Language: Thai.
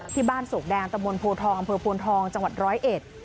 ที่บ้านศพแดงตะบนโพลทองอำเภอโพลทองจังหวัดร้อยเอ็ด